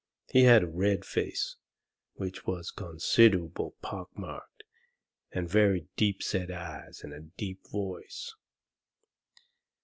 He had a red face, which was considerable pock marked, and very deep set eyes, and a deep voice.